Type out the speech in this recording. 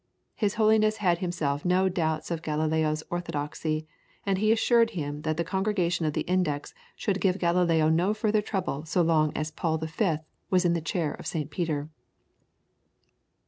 His Holiness had himself no doubts of Galileo's orthodoxy, and he assured him that the Congregation of the Index should give Galileo no further trouble so long as Paul V. was in the chair of St. Peter.